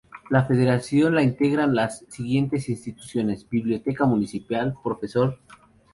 La Federación la integran las siguientes instituciones, Biblioteca Municipal "Prof.